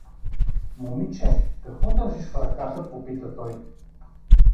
— Момиче, какво държиш в ръката? — попита той.